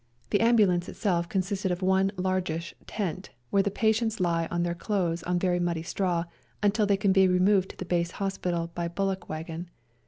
The ambulance itself con sisted of one largish tent, where the patients lie on their clothes on very muddy straw, until they can be removed to the base hospital by bullock wagon.